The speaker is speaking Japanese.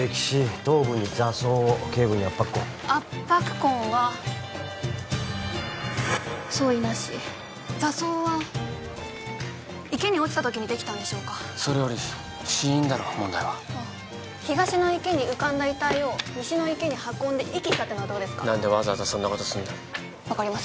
頭部に挫創頸部に圧迫痕圧迫痕は相違なし挫創は池に落ちた時にできたんでしょうかそれより死因だろ問題はあっ東の池に浮かんだ遺体を西の池に運んで遺棄したってのはどうですか何でわざわざそんなことするんだ分かりません